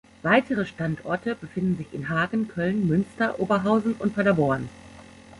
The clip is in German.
Weitere Standorte befinden sich in Hagen, Köln, Münster, Oberhausen und Paderborn.